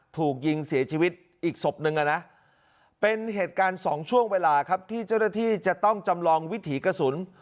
ถูกยิงเสียชีวิตอีกศพนึงนะเป็นเหตุการณ์สองช่วงเวลาครับที่เจ้าหน้าที่จะต้องจำลองวิถีกระสุน